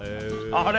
あれ？